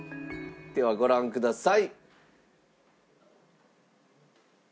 ではご覧ください。